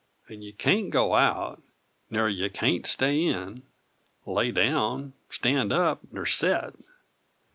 And you can't go out ner you can't stay in Lay down stand up ner set!"